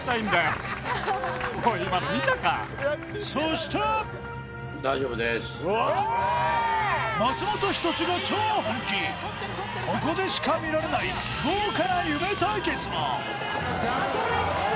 そしてうわっ松本人志が超本気ここでしか見られない豪華な夢対決もマトリックス！